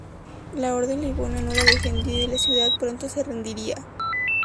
La Orden Livona no la defendió y la ciudad pronto se rendiría.